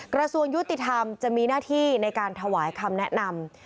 กระทรวงยุติธรรมจะมีหน้าที่ในการถวายคำแนะนำ